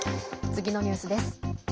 次のニュースです。